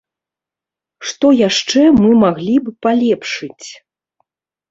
Што яшчэ мы маглі б палепшыць?